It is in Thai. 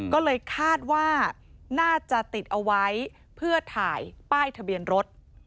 ก็เลยคาดว่าน่าจะติดเอาไว้เพื่อถ่ายป้ายทะเบียนรถ